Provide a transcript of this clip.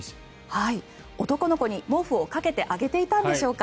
男の子に毛布をかけてあげていたんでしょうか。